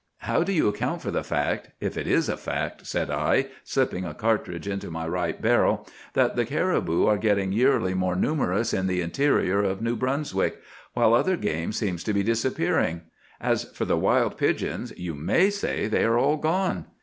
"How do you account for the fact, if it is a fact," said I, slipping a cartridge into my right barrel, "that the caribou are getting yearly more numerous in the interior of New Brunswick, while other game seems to be disappearing. As for the wild pigeons, you may say they are all gone.